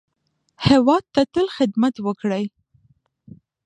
هېواد ته تل خدمت وکړئ